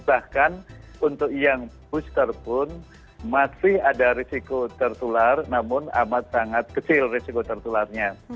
bahkan untuk yang booster pun masih ada risiko tertular namun amat sangat kecil risiko tertularnya